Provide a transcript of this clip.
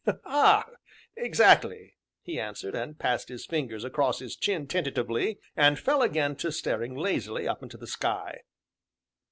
"Ah exactly!" he answered, and passed his fingers across his chin tentatively, and fell again to staring lazily up into the sky.